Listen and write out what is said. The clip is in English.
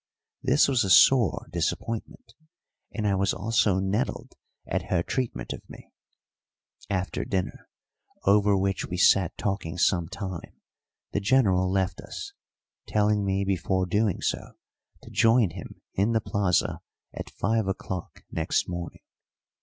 This was a sore disappointment, and I was also nettled at her treatment of me. After dinner, over which we sat talking some time, the General left us, telling me before doing so to join him in the plaza at five o'clock next morning.